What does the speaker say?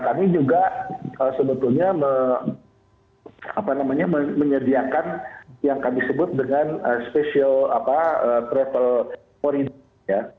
kami juga sebetulnya menyediakan yang kami sebut dengan travel moridor ya